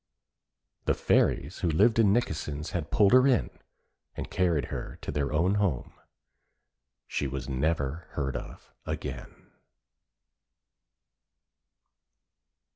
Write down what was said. The Fairies who live in Nikkesen's had pulled her in, and carried her to their own home. She was never heard of again.